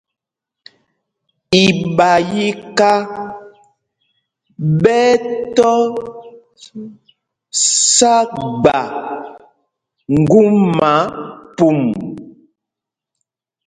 Iɓayiká ɓɛ́ ɛ́ tɔ sá gba ŋgumá pum.